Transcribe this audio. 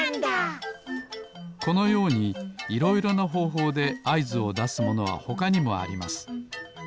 このようにいろいろなほうほうであいずをだすものはほかにもあります。